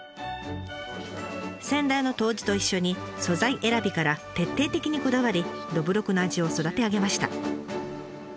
先代の杜氏と一緒に素材選びから徹底的にこだわりどぶろくの味を育て上げました。